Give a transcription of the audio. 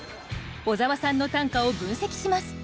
小沢さんの短歌を分析します。